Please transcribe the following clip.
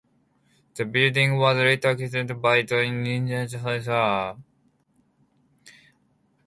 The Diamond Mine Disaster occurred in Grundy County.